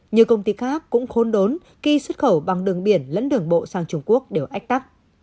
nhiều công ty khác cũng khốn đốn khi xuất khẩu bằng đường biển lẫn đường bộ sang trung quốc đều ách tắc